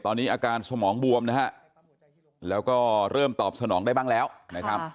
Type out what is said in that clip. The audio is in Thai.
ตอนนี้อาการสมองบวมนะฮะแล้วก็เริ่มตอบสนองได้บ้างแล้วนะครับ